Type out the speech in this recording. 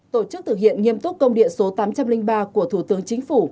tổ chức thực hiện nghiêm túc công điện số tám trăm linh ba của thủ tướng chính phủ